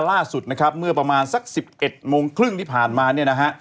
ล่าสุดนะครับเมื่อประมาณสัก๑๑โมงครึ่งที่ผ่านมาเนี่ยนะฮะ